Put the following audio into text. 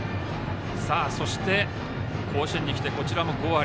そして、甲子園に来てこちらも５割。